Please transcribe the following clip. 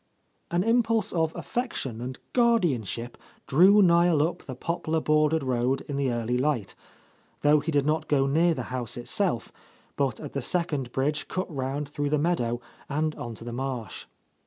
An impulse of affection and guardianship drew Niel up the poplar bordered road in the early light, — ^though he did not go near the house it self, but at the second bridge cut round through the meadow and on to the marsh.